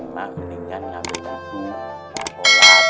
ma mendingan ngamil suku